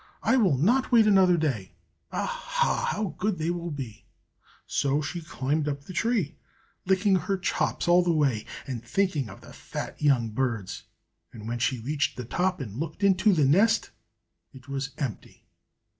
I will not wait another day. Aha! how good they will be!" So she climbed up the tree, licking her chops all the way and thinking of the fat young birds. And when she reached the top and looked into the nest, it was empty!!